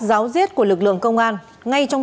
giáo diết của lực lượng công an ngay trong